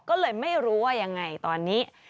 ก็เลยไม่รู้ว่ายังไงตอนนี้